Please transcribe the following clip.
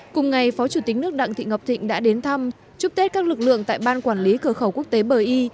cùng ngày phó chủ tịch nước đặng thị ngọc thịnh đã đến thăm chúc tết các lực lượng tại ban quản lý cửa khẩu quốc tế bờ y